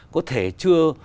có thể chưa